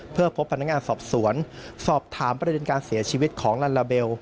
เพื่อพบพนักงานสอบสวนสอบถามประเด็นการเสียชีวิตของลัลลาเบล